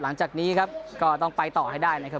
หลังจากนี้ครับก็ต้องไปต่อให้ได้นะครับ